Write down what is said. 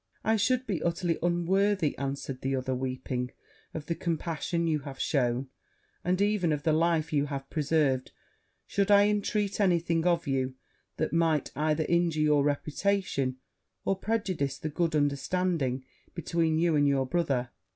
'I should be utterly unworthy,' answered the other, weeping, 'of the compassion you have shewn, and even of the life you have preserved, should I entreat any thing of you that might either injure your reputation, or prejudice the good understanding between you and your brother.